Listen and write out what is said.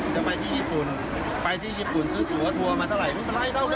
รอไปหาที่ญี่ปุ่นซื้อตั๋วมาเท่าไหร่